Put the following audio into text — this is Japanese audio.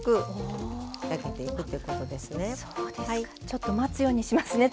ちょっと待つようにしますね